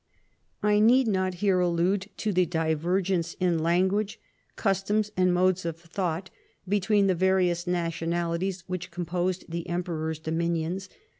I need not here allude to the divergence in lan guage, customs and modes of thought between the various nationalities which composed the emperor's dominions.